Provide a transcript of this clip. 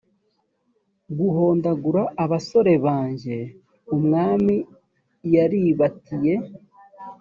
guhondagura abasore banjye umwami yaribatiye